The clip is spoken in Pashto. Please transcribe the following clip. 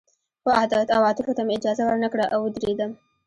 خو عواطفو ته مې اجازه ور نه کړه او ودېردم